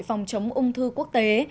phòng chống ung thư quốc tế